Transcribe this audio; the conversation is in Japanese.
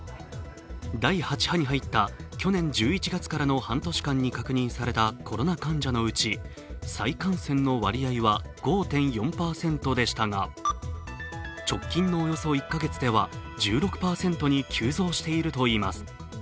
第８波に入った去年１１月からの半年間に確認されたコロナ患者のうち再感染の割合は５．４％でしたが直近のおよそ１か月では１６％に急増しているといいます。